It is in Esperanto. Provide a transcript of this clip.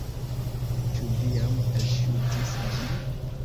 Ĉu vi jam elŝutis ĝin?